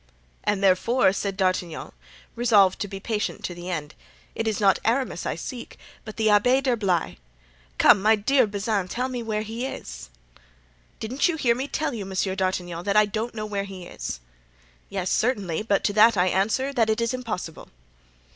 "And therefore," said D'Artagnan, resolved to be patient to the end, "it is not Aramis I seek, but the Abbé d'Herblay. Come, my dear Bazin, tell me where he is." "Didn't you hear me tell you, Monsieur d'Artagnan, that I don't know where he is?" "Yes, certainly; but to that I answer that it is impossible."